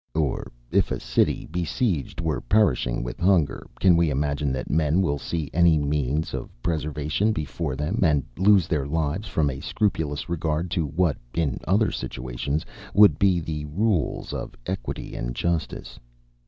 Or if a city besieged were perishing with hunger; can we imagine that men will see any means of preservation before them, and lose their lives from a scrupulous regard to what, in other situations, would be the rules of equity and justice?